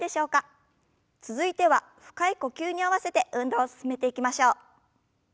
続いては深い呼吸に合わせて運動を進めていきましょう。